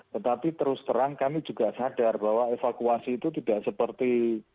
tetapi terus terang kami juga sadar bahwa evakuasi itu tidak seperti